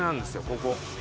ここ。